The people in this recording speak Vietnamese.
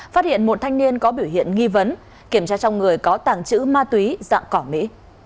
phát hiện một thanh niên có biểu hiện nghi vấn kiểm tra trong người có tàng trữ ma túy dạng cỏ mỹ